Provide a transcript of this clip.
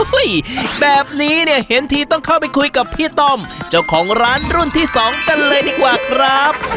แบบนี้เนี่ยเห็นทีต้องเข้าไปคุยกับพี่ต้อมเจ้าของร้านรุ่นที่สองกันเลยดีกว่าครับ